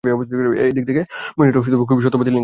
এদিক থেকে মহিলাটা খুবই সত্যবাদী, লিংকন।